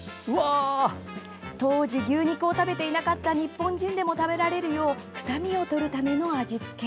当時、牛肉を食べていなかった日本人でも食べられるよう臭みをとるための味付け。